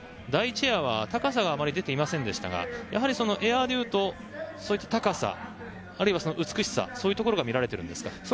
第１エアは、高さがあまり出ていませんでしたがエアでいうと高さ、あるいは美しさそういうところが見られているんですか？